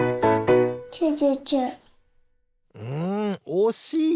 んおしい！